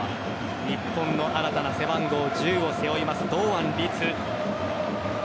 日本の新たな背番号１０を背負います、堂安律。